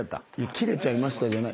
「切れちゃいました」じゃない。